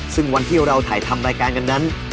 ซึ่งวันที่เราถ่ายทำรายการกันนั้น